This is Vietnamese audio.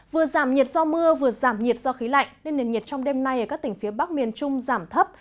vừa giảm nhiệt do mưa vừa giảm nhiệt do khí lạnh nên nền nhiệt trong đêm nay ở các tỉnh phía bắc miền trung giảm thấp